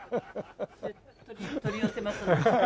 取り寄せますので。